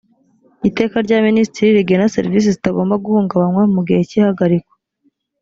iteka rya minisitiri rigena serivisi zitagomba guhungabanywa mu gihe cy ihagarikwa